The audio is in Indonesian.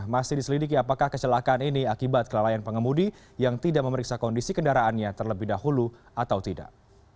masih diselidiki apakah kecelakaan ini akibat kelalaian pengemudi yang tidak memeriksa kondisi kendaraannya terlebih dahulu atau tidak